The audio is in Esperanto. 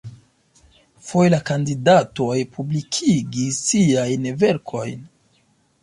Foje la kandidatoj publikigis siajn verkojn.